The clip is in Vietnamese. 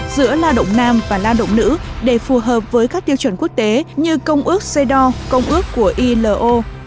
giữa la động nam và la động nữ để phù hợp với các tiêu chuẩn quốc tế như công ước xê đo công ước của ilo